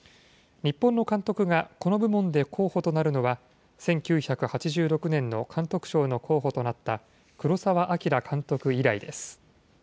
日本の監督がこの部門で候補となるのは、１９８６年の監督賞の候補となった黒澤明監督以来です。